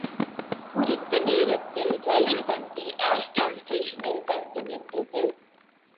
குறித்த நேரத்தில் ரயில் வண்டி ஆஷ்டவுன் ஸ்டேஷனில் வந்து நின்றது.